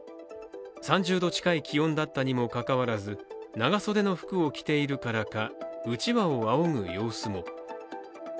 ３０度近い気温だったにもかかわらず長袖の服を着ているからかうちわをあおぐ様子も。